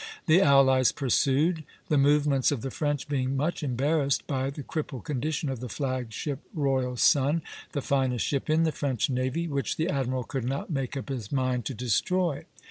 The allies pursued, the movements of the French being much embarrassed by the crippled condition of the flag ship "Royal Sun," the finest ship in the French navy, which the admiral could not make up his mind to destroy.